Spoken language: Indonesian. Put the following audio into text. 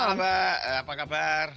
selamat malam mbak apa kabar